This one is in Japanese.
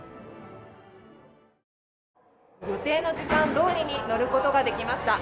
予定の時間どおりに乗ることができました。